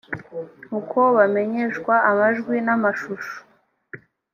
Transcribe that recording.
uko bamenyeshwa amajwi n amashusho